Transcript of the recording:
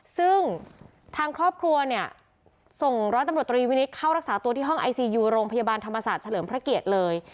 ซึ่งทางครอบครัวเนี่ยส่งร้อยตำรวจตรีวินิตเข้ารักษาตัวที่ห้องไอซียูโรงพยาบาลธรรมศาสตร์เฉลิมพระเกียรติเลย